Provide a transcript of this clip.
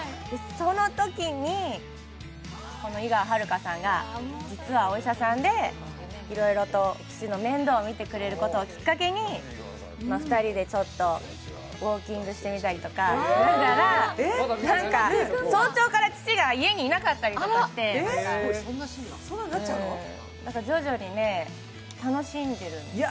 そのときに、この井川遥さんが実はお医者さんでいろいろと父の面倒をみてくれることをきっかけに２人でウオーキングしてみたりとか早朝から父が家にいなかったりして徐々に楽しんでるんです。